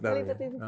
meliput di situ